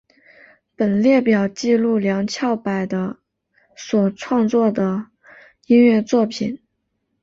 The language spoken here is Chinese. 本列表记录梁翘柏的所创作的音乐作品